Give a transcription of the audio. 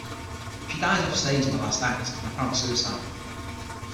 She dies off-stage in the last act, an apparent suicide.